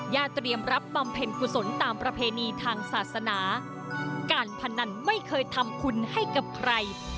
เตรียมรับบำเพ็ญกุศลตามประเพณีทางศาสนาการพนันไม่เคยทำคุณให้กับใคร